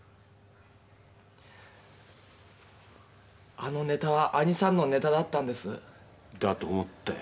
あのネタは兄さんのネタだったんです。だと思ったよ。